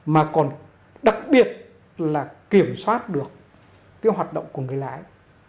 mà còn đặc biệt là kiểm soát được cái hoạt động của người lái